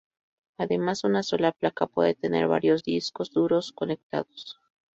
Además, una sola placa puede tener varios discos duros conectados.